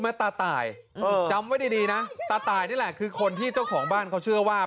ทีนี้ตาตายเพิ่งจำไว้ดีนะตาตายนี้แหละคือคนที่เจ้าของบ้านเค้าเชื่อว่ามันว่ะ